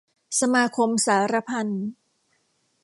สมาคมสาระพันธ์